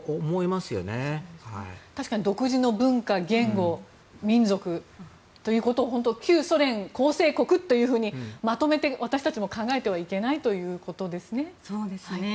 確かに独自の文化、言語民族ということを旧ソ連構成国というふうにまとめて私たちも考えてはいけないということですね。